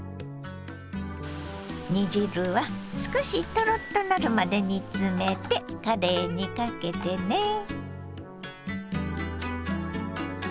煮汁は少しトロッとなるまで煮詰めてかれいにかけてね。